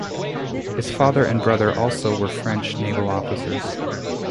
His father and brother also were French naval officers.